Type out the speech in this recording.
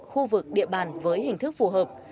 khu vực địa bàn với hình thức phù hợp